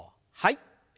はい。